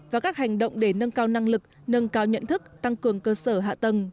và các hành động để nâng cao năng lực nâng cao nhận thức tăng cường cơ sở hạ tầng